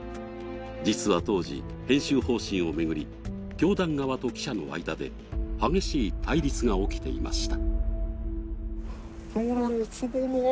実は当時、編集方針を巡り、教団側と記者の間で激しい対立が起きていました。